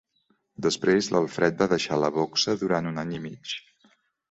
Després, l'Alfred va deixar la boxa durant un any i mig.